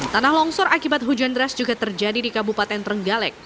tanah longsor akibat hujan deras juga terjadi di kabupaten trenggalek